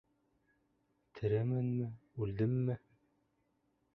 Теременме, үлдемме?